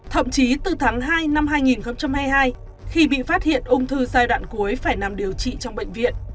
thậm chí từ tháng hai năm hai nghìn hai mươi hai khi bị phát hiện ung thư giai đoạn cuối phải nằm điều trị trong bệnh viện